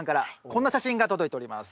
こんな写真が届いております。